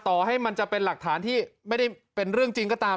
ต่อให้มันจะเป็นหลักฐานที่ไม่ได้เป็นเรื่องจริงก็ตาม